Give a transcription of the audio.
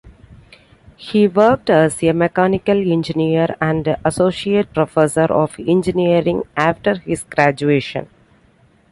He worked as a mechanical engineer and associate professor of engineering after his graduation.